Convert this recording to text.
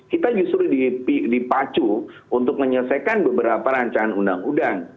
kita justru dipacu untuk menyelesaikan beberapa rancangan undang undang